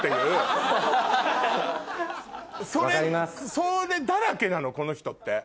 それだらけなのこの人って。